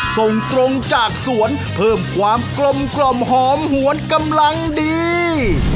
ส่งตรงจากสวนเพิ่มความกลมหอมหวนกำลังดี